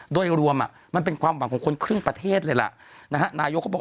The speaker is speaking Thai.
โดยรวมมันเป็นความหวังของคนครึ่งประเทศเลยล่ะนะฮะนายกก็บอก